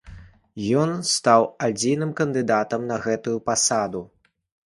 Ён стаў адзіным кандыдатам на гэтую пасаду.